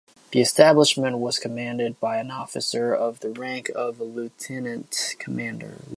The establishment was commanded by an officer of the rank of Lieutenant Commander.